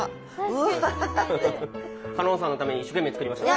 香音さんのために一生懸命作りました。